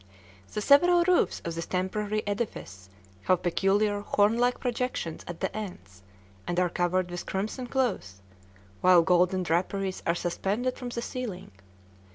The several roofs of this temporary edifice have peculiar horn like projections at the ends, and are covered with crimson cloth, while golden draperies are suspended from the ceiling.